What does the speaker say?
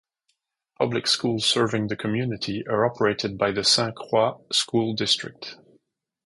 Public schools serving the community are operated by the Saint Croix School District.